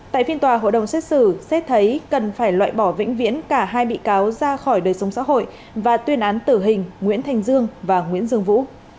tại phiên tòa hội đồng xét xử xét thấy cần phải loại bỏ vĩnh viễn cả hai bị cáo ra khỏi đời sống xã hội và tuyên án tử hình nguyễn thành dương và nguyễn dương vũ